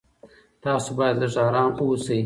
تاسو باید لږ ارام اوسئ.